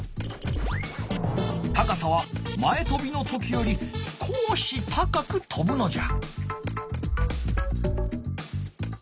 高さは前とびの時より少し高くとぶのじゃ。